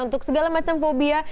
untuk segala macam fobia